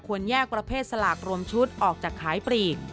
แยกประเภทสลากรวมชุดออกจากขายปลีก